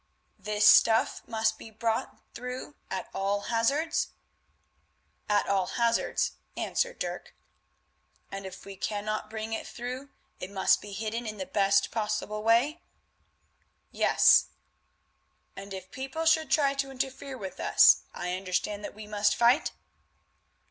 "This stuff must be brought through at all hazards?" "At all hazards," answered Dirk. "And if we cannot bring it through, it must be hidden in the best way possible?" "Yes." "And if people should try to interfere with us, I understand that we must fight?"